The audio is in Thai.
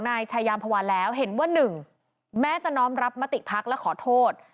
ของนายชายยามพวานแล้วเห็นว่า๑แม้จะน้อมรับมติภักดิ์และขอโทษ